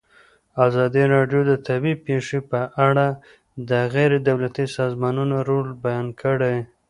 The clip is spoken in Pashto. ازادي راډیو د طبیعي پېښې په اړه د غیر دولتي سازمانونو رول بیان کړی.